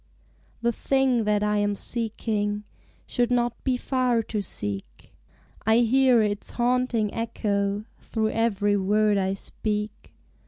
The thing that I am seeking Should not be far to seek; I hear its haunting echo Vigils Through every word I speak.